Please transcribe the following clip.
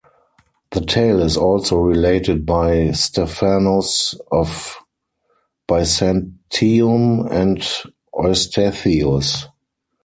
The tale is also related by Stephanus of Byzantium, and Eustathius.